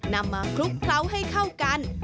นำมาคลุกเคล้าให้เข้ากัน